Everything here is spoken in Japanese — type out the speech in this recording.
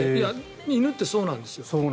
犬ってそうなんですよ。